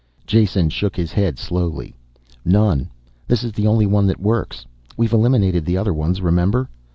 Jason shook his head slowly. "None. This is the only one that works. We've eliminated the other ones, remember?